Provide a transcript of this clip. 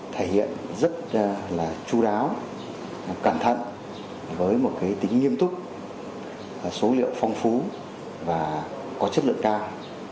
thể hiện rất là chú đáo cẩn thận với một tính nghiêm túc số liệu phong phú và có chất lượng cao